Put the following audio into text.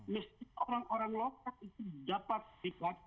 mesti orang orang lokal itu dapat melibatkan dalam pekerjaan seperti itu